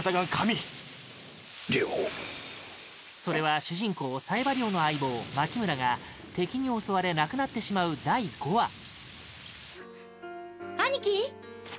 それは主人公冴羽リョウの相棒、槇村が敵に襲われ亡くなってしまう第５話香：兄貴？